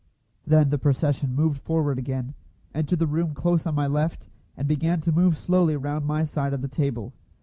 Then the procession moved forward again, entered the room close on my left, and began to move slowly round my side of the table.